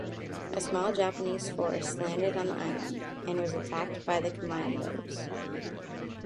A small Japanese force landed on the island, and was attacked by the commandos.